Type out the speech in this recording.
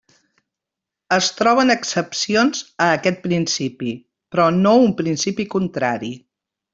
Es troben excepcions a aquest principi, però no un principi contrari.